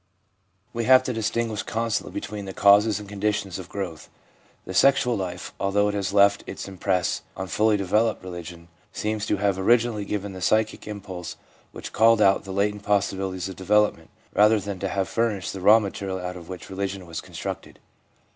We have to dis tinguish constantly between causes and conditions of growth. The sexual life, although it has left its impress on fully developed religion, seems to have originally given the psychic impulse which called out the latent possibilities of development, rather than to have furnished the raw material out of which religion was constructed.